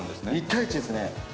１対１ですね。